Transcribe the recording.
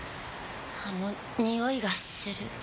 あのにおいがする。